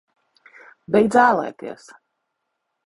Beidz ālēties!